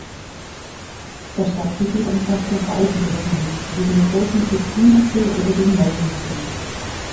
Das Stadtgebiet umfasst noch weitere Seen wie den Großen Küstriner See oder den Mellensee.